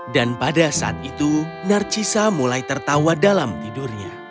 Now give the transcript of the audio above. dan pada saat itu narcisa mulai tertawa dalam tidurnya